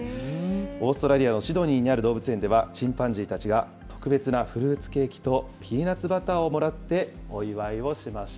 オーストラリアのシドニーにある動物園では、チンパンジーたちが、特別なフルーツケーキとピーナツバターをもらってお祝いをしまし